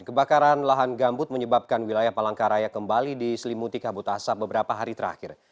kebakaran lahan gambut menyebabkan wilayah palangkaraya kembali diselimuti kabut asap beberapa hari terakhir